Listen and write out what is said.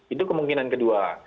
itu kemungkinan kedua